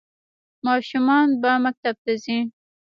ماشومان به مکتب ته ځي؟